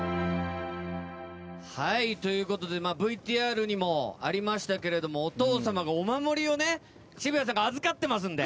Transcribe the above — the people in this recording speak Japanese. はいということでＶＴＲにもありましたけれどもお父様がお守りをね渋谷さんが預かってますんで。